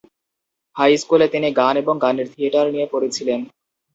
High স্কুলে তিনি গান এবং গানের থিয়েটার নিয়ে পড়েছিলেন।